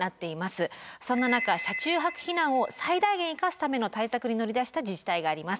そんな中車中泊避難を最大限生かすための対策に乗り出した自治体があります。